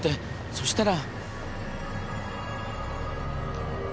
そしたら。